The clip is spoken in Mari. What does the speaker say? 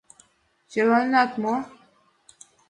— Черланенат мо?